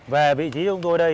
về vị trí chúng tôi đây